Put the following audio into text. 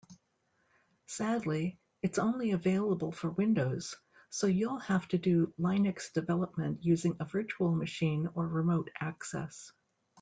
Sadly, it's only available for Windows, so you'll have to do Linux development using a virtual machine or remote access.